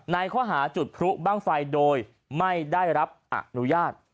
ในข้อหาจุดพลุบ้างไฟโดยไม่ได้รับอนุญาต